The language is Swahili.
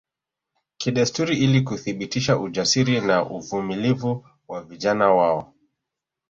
Kidesturi ili kuthibitisha ujasiri na uvumilivu wa vijana wao